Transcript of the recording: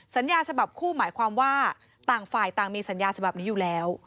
สัญญาฉบับคู่หมายความว่าต่างฝ่ายต่างมีสัญญาฉบับนี้อยู่แล้ว